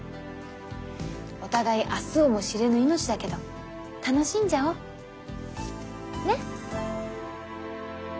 お互い明日をも知れぬ命だけど楽しんじゃおう。ね！